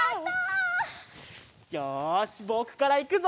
よしぼくからいくぞ！